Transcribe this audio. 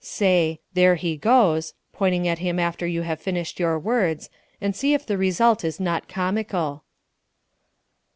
Say, "There he goes," pointing at him after you have finished your words, and see if the result is not comical.